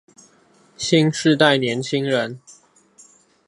新世代年輕人